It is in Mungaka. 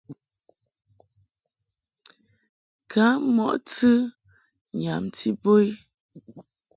Kam mɔʼ tɨ nyamti bo i.